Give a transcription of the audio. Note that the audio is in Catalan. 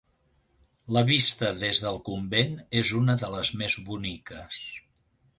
La vista dels del convent és una de les més boniques.